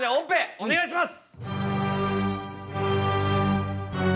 お願いします。